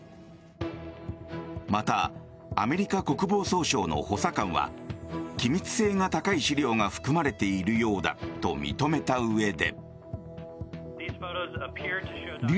またアメリカ国防総省の補佐官は機密性が高い資料が含まれているようだと認めたうえで。